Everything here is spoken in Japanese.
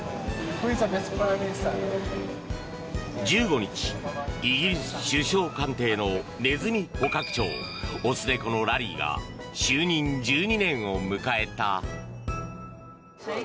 １５日、イギリス首相官邸のネズミ捕獲長雄猫のラリーが就任１２年を迎えた。